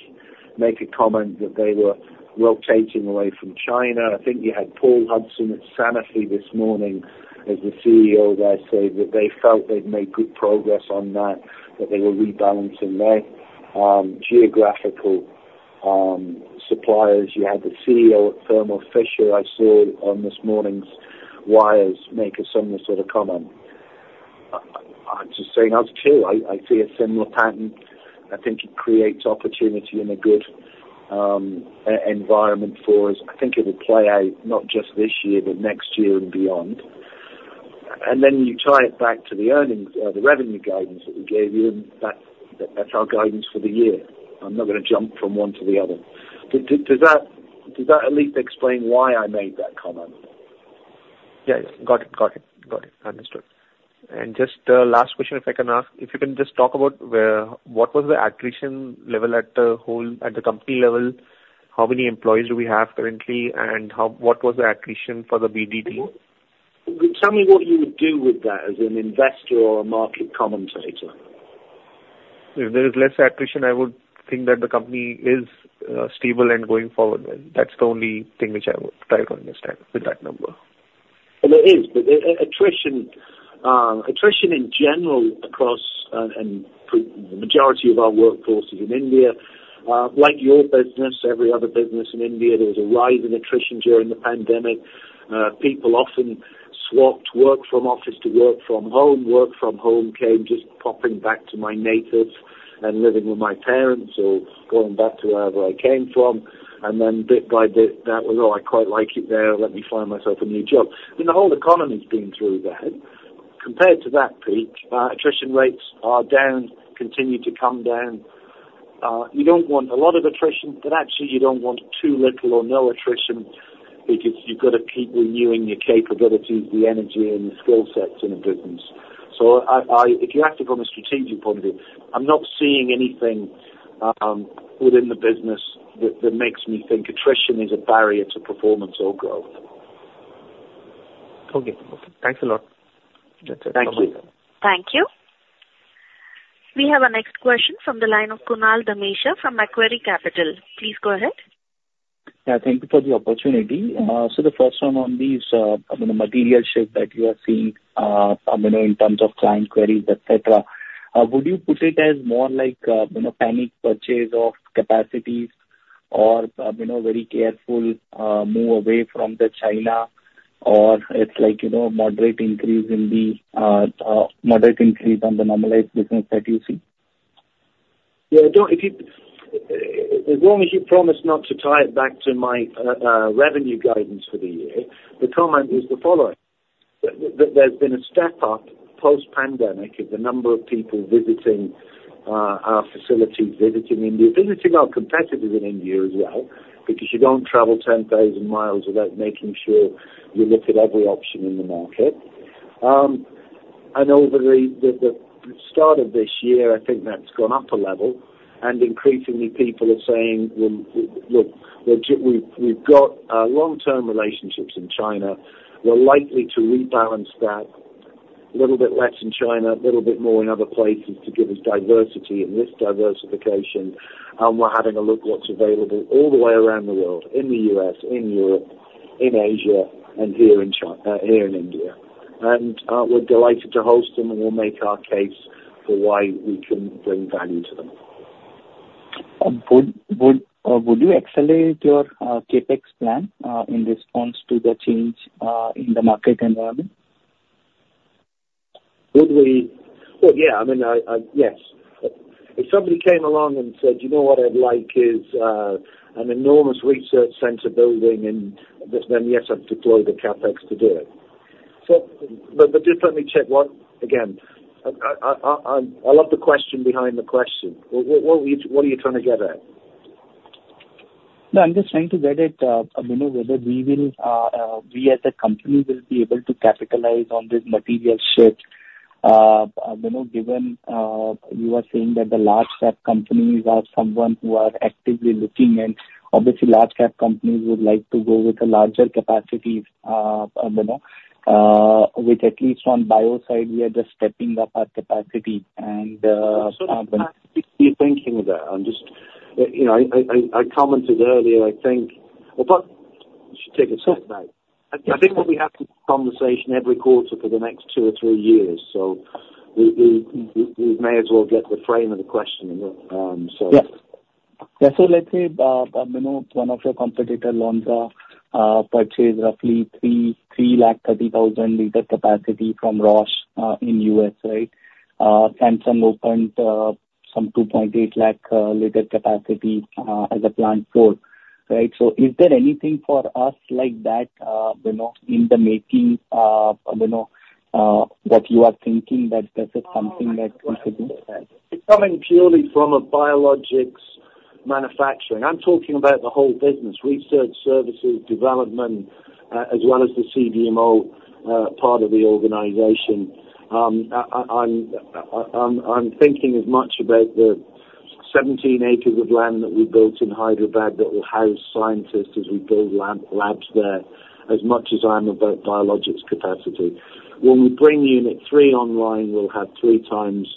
make a comment that they were rotating away from China. I think you had Paul Hudson at Sanofi this morning as the CEO there say that they felt they'd made good progress on that, that they were rebalancing their geographical suppliers. You had the CEO at Thermo Fisher I saw on this morning's wires make a similar sort of comment. I'm just saying that's true. I see a similar pattern. I think it creates opportunity and a good environment for us. I think it will play out not just this year but next year and beyond. And then you tie it back to the revenue guidance that we gave you, and that's our guidance for the year. I'm not going to jump from one to the other. Does that at least explain why I made that comment? Yeah. Got it. Got it. Got it. Understood. And just last question, if I can ask, if you can just talk about what was the attrition level at the company level, how many employees do we have currently, and what was the attrition for the BDT? Tell me what you would do with that as an investor or a market commentator. If there is less attrition, I would think that the company is stable and going forward. That's the only thing which I would try to understand with that number. And there is. But attrition in general across the majority of our workforce is in India. Like your business, every other business in India, there was a rise in attrition during the pandemic. People often swapped work from office to work from home. Work from home came just popping back to my natives and living with my parents or going back to wherever I came from. And then bit by bit, that was, "Oh, I quite like it there. Let me find myself a new job." I mean, the whole economy's been through that. Compared to that peak, attrition rates are down, continue to come down. You don't want a lot of attrition, but actually, you don't want too little or no attrition because you've got to keep renewing your capabilities, the energy, and the skill sets in a business. So if you have to from a strategic point of view, I'm not seeing anything within the business that makes me think attrition is a barrier to performance or growth. Okay. Okay. Thanks a lot. That's it from me. Thank you. Thank you. We have a next question from the line of Kunal Damesha from Macquarie Capital. Please go ahead. Yeah. Thank you for the opportunity. So the first one on these, I mean, the material shift that you are seeing, I mean, in terms of client queries, etc., would you put it as more like panic purchase of capacities or a very careful move away from the China, or it's like a moderate increase in the moderate increase on the normalized business that you see? Yeah. As long as you promise not to tie it back to my revenue guidance for the year, the comment is the following: that there's been a step up post-pandemic of the number of people visiting our facilities, visiting India, visiting our competitors in India as well because you don't travel 10,000 miles without making sure you look at every option in the market. Over the start of this year, I think that's gone up a level. Increasingly, people are saying, "Look, we've got long-term relationships in China. We're likely to rebalance that a little bit less in China, a little bit more in other places to give us diversity and risk diversification. And we're having a look at what's available all the way around the world: in the U.S., in Europe, in Asia, and here in India. And we're delighted to host them, and we'll make our case for why we can bring value to them." Would you accelerate your CapEx plan in response to the change in the market environment? Would we? Well, yeah. I mean, yes. If somebody came along and said, "You know what I'd like is an enormous research center building, and then yes, I'd deploy the CapEx to do it." But just let me check what again. I love the question behind the question. What are you trying to get at? No. I'm just trying to get at whether we, as a company, will be able to capitalize on this material shift. Given you were saying that the large-cap companies are someone who are actively looking and obviously, large-cap companies would like to go with the larger capacities, which at least on bio side, we are just stepping up our capacity. I'm just. I'm sorry. Keep thinking of that. I commented earlier. I think, well, but you should take a step back. I think what we have to. Conversation every quarter for the next two or three years. So we may as well get the frame of the question, so. Yeah. Yeah. So let's say one of your competitors, Lonza, purchased roughly 330,000-liter capacity from Roche in the U.S., right? Samsung opened some 2.8 lakh liter capacity at the Plant 4, right? So is there anything for us like that in the making of what you are thinking that this is something that we should look at? I t's coming purely from a biologics manufacturing. I'm talking about the whole business: research services, development, as well as the CDMO part of the organization. I'm thinking as much about the 17 acres of land that we built in Hyderabad that will house scientists as we build labs there as much as I'm about biologics capacity. When we bring Unit 3 online, we'll have three times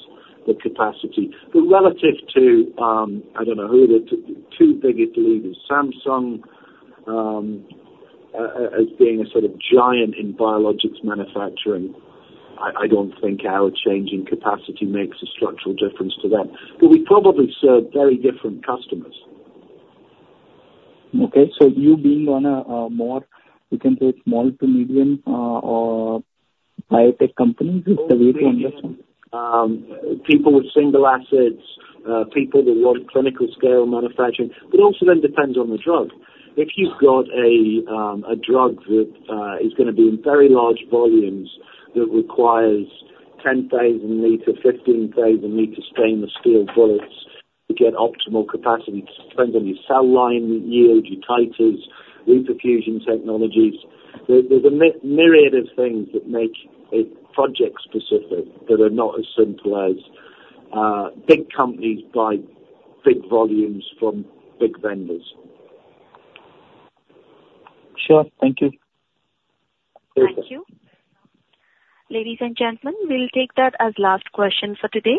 the capacity. But relative to, I don't know who the two biggest leaders, Samsung as being a sort of giant in biologics manufacturing, I don't think our change in capacity makes a structural difference to that. But we probably serve very different customers. Okay. So you being on a more, you can say, small to medium biotech companies is the way to understand? People with single assets, people that want clinical-scale manufacturing. But also then depends on the drug. If you've got a drug that is going to be in very large volumes that requires 10,000-liter, 15,000-liter stainless steel bullets to get optimal capacity, it depends on your cell line yield, your titers, reperfusion technologies. There's a myriad of things that make it project-specific that are not as simple as big companies buy big volumes from big vendors. Sure. Thank you. Thank you. Thank you. Ladies and gentlemen, we'll take that as last question for today.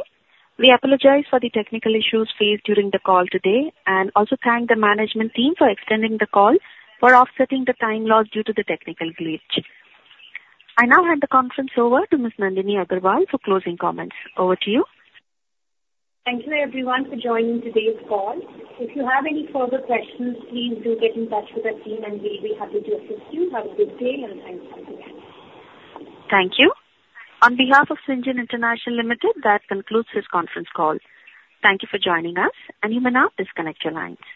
We apologize for the technical issues faced during the call today and also thank the management team for extending the call, for offsetting the time loss due to the technical glitch. I now hand the conference over to Ms. Nandini Agarwal for closing comments. Over to you. Thank you, everyone, for joining today's call. If you have any further questions, please do get in touch with our team, and we'll be happy to assist you. Have a good day, and thanks again. Thank you. On behalf of Syngene International Limited, that concludes this conference call. Thank you for joining us, and you may now disconnect your lines.